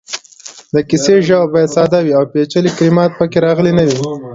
د کیسې ژبه باید ساده وي او پېچلې کلمات پکې راغلې نه وي.